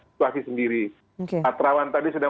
situasi sendiri pak terawan tadi sudah